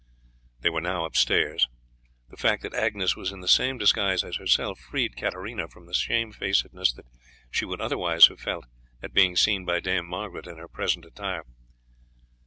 They were now upstairs. The fact that Agnes was in the same disguise as herself freed Katarina from the shame facedness that she would otherwise have felt at being seen by Dame Margaret in her present attire.